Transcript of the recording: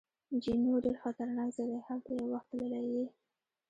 جینو: ډېر خطرناک ځای دی، هلته یو وخت تللی یې؟